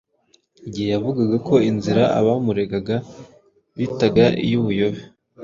Igihe yavugaga ko ” inzira abamuregaga bitaga iy’ubuyobe